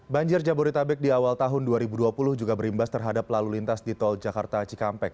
banjir jabodetabek di awal tahun dua ribu dua puluh juga berimbas terhadap lalu lintas di tol jakarta cikampek